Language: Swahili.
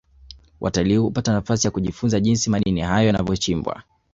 watalii hupata nafasi ya kujifunza jinsi madini hayo yanavyochimbwa